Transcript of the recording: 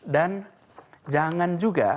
dan jangan juga